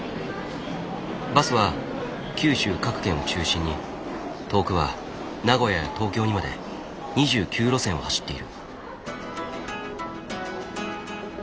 バスは九州各県を中心に遠くは名古屋や東京にまで２９路線を走っている。